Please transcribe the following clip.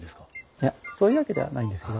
いやそういうわけではないんですけど。